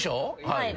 はい。